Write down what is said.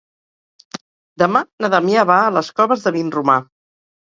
Demà na Damià va a les Coves de Vinromà.